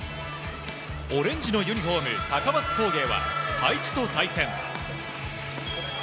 オレンジのユニホーム高松工芸は開智と対戦。